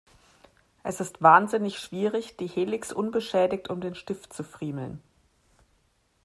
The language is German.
Es ist wahnsinnig schwierig, die Helix unbeschädigt um den Stift zu friemeln.